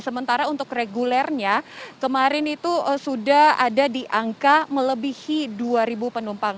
sementara untuk regulernya kemarin itu sudah ada di angka melebihi dua penumpang